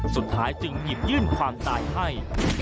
สุดท้ายจึงหยิบยื่นความตายให้